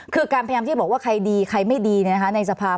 คือการพยายามที่บอกว่าใครดีใครไม่ดีในสภาพ